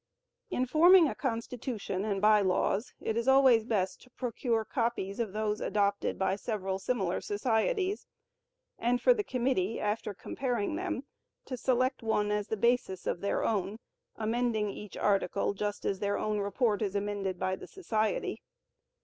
In forming a Constitution and By Laws, it is always best to procure copies of those adopted by several similar societies, and for the committee, after comparing them, to select one as the basis of their own, amending each article just as their own report is amended by the Society.